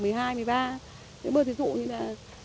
những bữa thí dụ như là